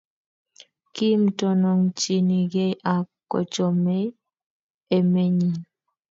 kim, tononchinigei ak kochomei emenyin